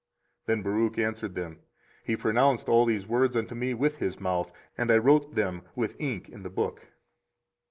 24:036:018 Then Baruch answered them, He pronounced all these words unto me with his mouth, and I wrote them with ink in the book.